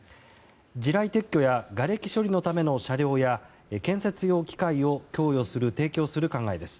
地雷撤去やがれき処理のための車両や建設機械を提供する考えです。